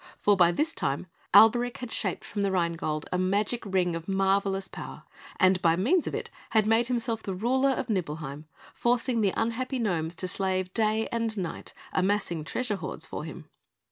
For by this time Alberic had shaped from the Rhine Gold a magic Ring of marvellous power, and by means of it had made himself the ruler of Nibelheim, forcing the unhappy gnomes to slave day and night, amassing treasure hoards for him.